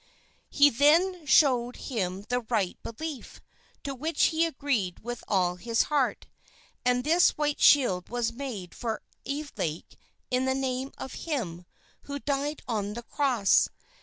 "He then showed him the right belief, to which he agreed with all his heart, and this white shield was made for Evelake in the name of Him who died on the cross.